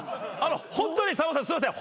ホントにさんまさんすいません。